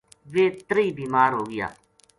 ویہ تریہی بیمار ہوگیا